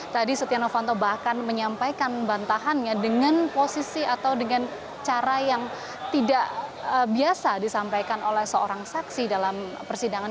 tadi setia novanto bahkan menyampaikan bantahannya dengan posisi atau dengan cara yang tidak biasa disampaikan oleh seorang saksi dalam persidangan